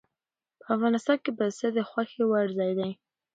په افغانستان کې پسه د خوښې وړ ځای دی.